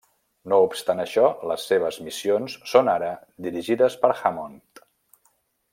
No obstant això, les seves missions són ara dirigides per Hammond.